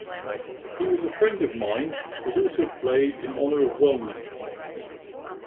"He Was a Friend of Mine" was also played in honor of Welnick.